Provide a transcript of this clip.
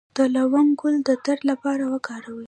د لونګ ګل د درد لپاره وکاروئ